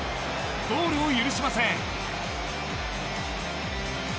ゴールを許しません。